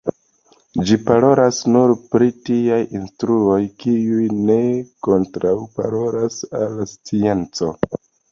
Ĝi parolas nur pri tiaj instruoj, kiuj ne kontraŭparolas al la scienco.